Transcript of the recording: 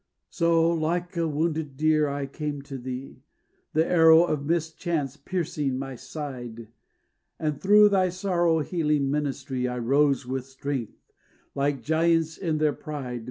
So like a wounded deer I came to thee, The arrow of mischance piercing my side; And through thy sorrow healing ministry I rose with strength, like giants in their pride.